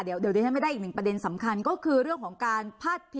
เดี๋ยวเดี๋ยวเราให้ได้อีกหนึ่งประเด็นสำคัญก็คือเรื่องของการพัด